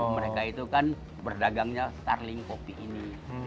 mereka itu kan berdagangnya starling kopi ini